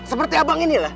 seperti abang inilah